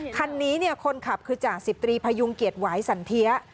คันนี้เนี่ยคนขับคือจากสิบตรีพยุงเกียจหวายสันเทีย